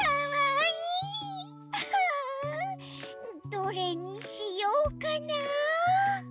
どれにしようかなあ？